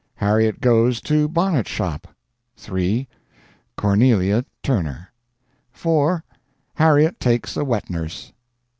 Harriet goes to bonnet shop. 3. CORNELIA TURNER. 4. Harriet takes a wet nurse.